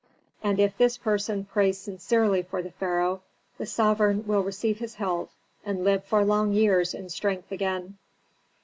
And if this person prays sincerely for the pharaoh, the sovereign will receive his health and live for long years in strength again."